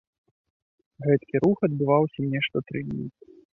Гэткі рух адбываўся нешта тры дні.